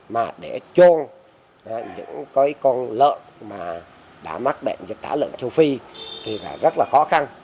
mà để chôn những con lợn mà đã mắc bệnh dịch tả lợn châu phi thì rất là khó khăn